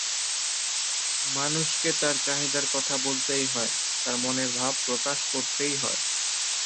মানুষকে তার চাহিদার কথা বলতেই হয়, তার মনের ভাব প্রকাশ করতেই হয়।